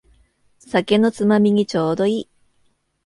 酒のつまみにちょうどいい